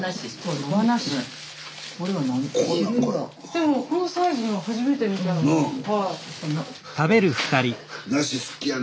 でもこのサイズのは初めて見た。なあ。